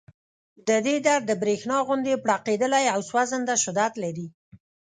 د دې درد د برېښنا غوندې پړقېدلی او سوځنده شدت لري